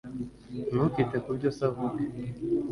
Ntukite ku byo so avuga